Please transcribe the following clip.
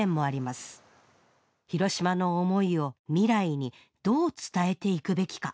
ヒロシマの思いを未来にどう伝えていくべきか？